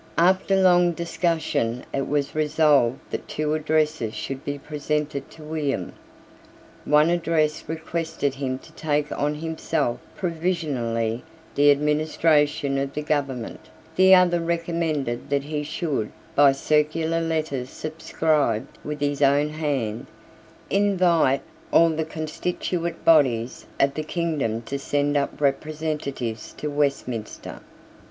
After long discussion it was resolved that two addresses should be presented to William. One address requested him to take on himself provisionally the administration of the government; the other recommended that he should, by circular letters subscribed with his own hand, invite all the constituent bodies of the kingdom to send up representatives to Westminster.